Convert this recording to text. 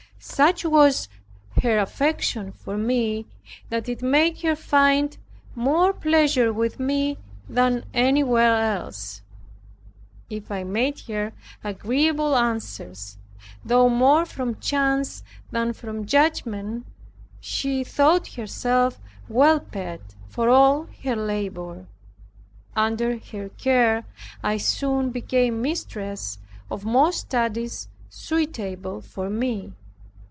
Such was her affection for me that it made her find more pleasure with me than anywhere else. If I made her agreeable answers, though more from chance than from judgment, she thought herself well paid for all her labor. Under her care I soon became mistress of most studies suitable for me.